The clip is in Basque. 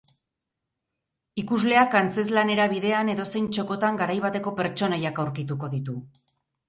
Ikusleak antzezlanera bidean edozein txokotan garai bateko pertsonaiak aurkituko ditu.